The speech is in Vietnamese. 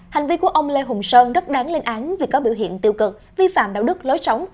hành vi của ông lê hùng sơn rất đáng lên án vì có biểu hiện tiêu cực vi phạm đạo đức lối sống